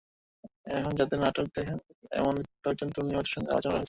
এখন যাঁদের নাটক দর্শক দেখেন, এমন কয়েকজন তরুণ নির্মাতার সঙ্গে আলোচনা হয়েছে।